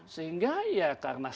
sehingga ya karena